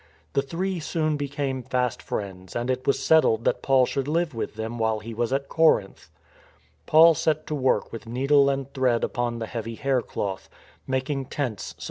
The three soon became fast friends and it was settled that Paul should live with them while he was at Corinth. Paul set to work with needle and thread upon the heavy hair cloth, making tents so that he should be earning his own living.